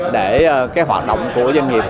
để cái hoạt động của doanh nghiệp